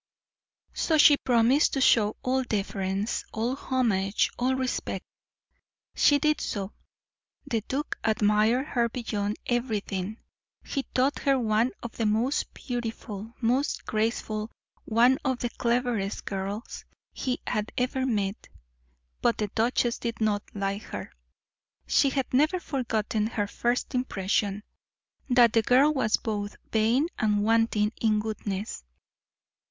So she promised to show all deference, all homage, all respect. She did so. The duke admired her beyond everything; he thought her one of the most beautiful, most graceful, one of the cleverest girls he had ever met. But the duchess did not like her; she had never forgotten her first impression, that the girl was both vain and wanting in goodness.